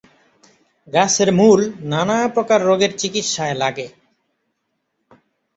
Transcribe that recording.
গাছের মূল নানা প্রকার রোগের চিকিত্সায় লাগে।